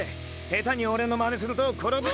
下手に俺のまねすると転ぶ。